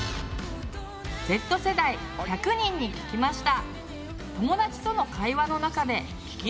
Ｚ世代１００人に聞きました。